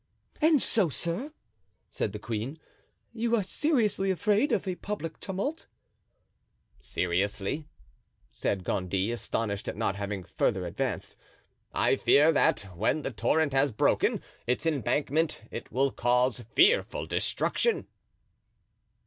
"And so, sir," said the queen, "you are seriously afraid of a public tumult." "Seriously," said Gondy, astonished at not having further advanced; "I fear that when the torrent has broken its embankment it will cause fearful destruction."